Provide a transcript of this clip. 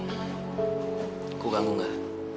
aku ganggu gak